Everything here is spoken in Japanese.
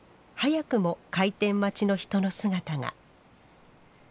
早くも開店待ちの人の姿が。